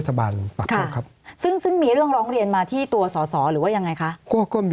สวัสดีครับทุกคน